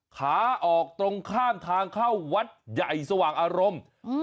ขาออกตรงข้ามทางเข้าวัดใหญ่สว่างอารมณ์